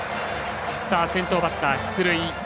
先頭バッター出塁。